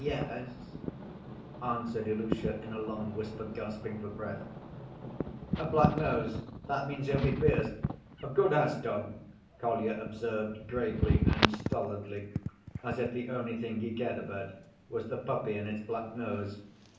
"Ye—es," answered Ilusha in a long whisper, gasping for breath. "A black nose, that means he'll be fierce, a good house‐dog," Kolya observed gravely and stolidly, as if the only thing he cared about was the puppy and its black nose.